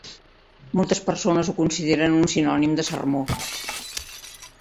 Moltes persones ho consideren un sinònim de sermó.